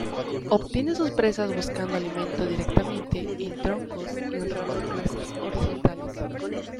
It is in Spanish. Obtiene sus presas buscando alimento directamente en troncos y en ramas gruesas horizontales.